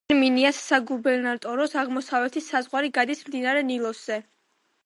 ელ-მინიას საგუბერნატოროს აღმოსავლეთის საზღვარი გადის მდინარე ნილოსზე.